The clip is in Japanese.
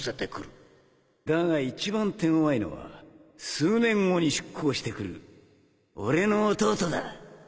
だが一番手ごわいのは数年後に出航してくる俺の弟だ！